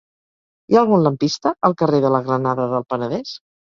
Hi ha algun lampista al carrer de la Granada del Penedès?